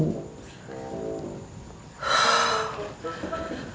semoga aja gak tau